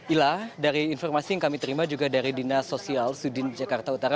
ila dari informasi yang kami terima juga dari dinas sosial sudin jakarta utara